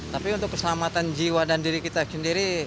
tapi untuk keselamatan jiwa dan diri kita sendiri